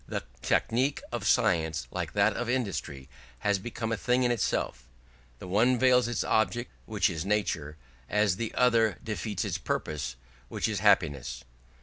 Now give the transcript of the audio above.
The technique of science, like that of industry, has become a thing in itself; the one veils its object, which is nature, as the other defeats its purpose, which is happiness.